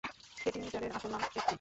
Katie মিটারের আসল নাম কেতকী।